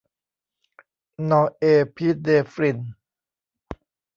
นอร์เอพิเนฟริน